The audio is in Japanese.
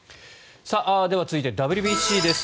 では、続いてＷＢＣです。